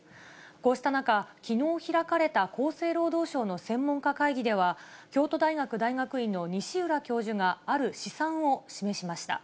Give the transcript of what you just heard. こうした中、きのう開かれた厚生労働省の専門家会議では、京都大学大学院の西浦教授がある試算を示しました。